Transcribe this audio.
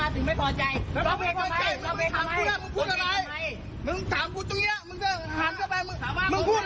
เป็นอย่างไรค่ะมึงพูด